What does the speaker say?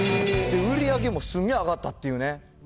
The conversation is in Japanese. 売り上げもすげー上がったっていうね。